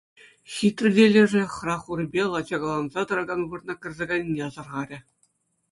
Ҫитрӗ те лешӗ хӑрах урипе лачакаланса тӑракан вырӑна кӗрсе кайнине асӑрхарӗ.